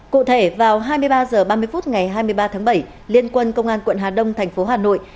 cụ thể vào hai mươi ba h ba mươi phút ngày hai mươi ba tháng bảy liên quân công an quận hà đông thành phố hà nội